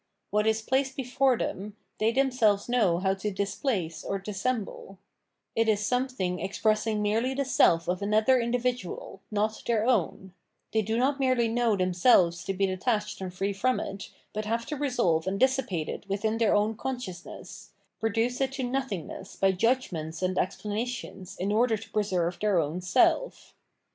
What is placed before them, they themselves know how to " displace " or dissemble : it is something expressing merely the self of another individual, not their own : they do not merely know themselves to be detached and free from it, but have to resolve and dissipate it within their own conscious ness, reduce it to nothingness by judgments and explanations in order to preserve their own self.